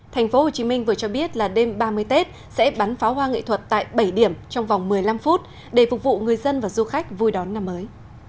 thành phố hồ chí minh vừa cho biết là đêm ba mươi tết sẽ bắn pháo hoa nghệ thuật tại bảy điểm trong vòng một mươi năm phút để phục vụ người dân và du khách vui đón năm mới